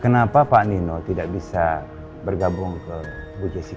kenapa pak nino tidak bisa bergabung ke bu jessica